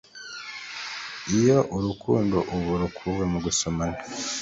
Iyo urukundo ubu rukuwe mu gusomana